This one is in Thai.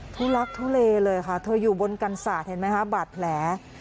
ทุลักทุเลเลยค่ะเธออยู่บนกันศาสตร์เห็นไหมคะบาดแผล